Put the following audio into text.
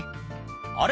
あれ？